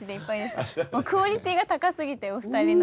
もうクオリティーが高すぎてお二人の。